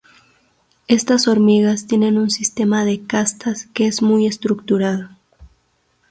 Estas hormigas tienen un sistema de castas que es muy estructurado.